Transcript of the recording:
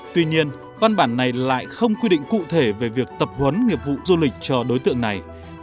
tuy nhiên văn bản này lại không quy định cụ thể về việc tập huấn nghiệp vụ du lịch cho đối tượng này